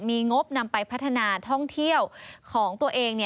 มีงบนำไปพัฒนาท่องเที่ยวของตัวเอง